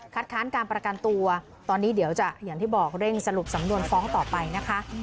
ค้านการประกันตัวตอนนี้เดี๋ยวจะอย่างที่บอกเร่งสรุปสำนวนฟ้องต่อไปนะคะ